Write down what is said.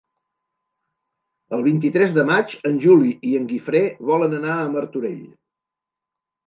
El vint-i-tres de maig en Juli i en Guifré volen anar a Martorell.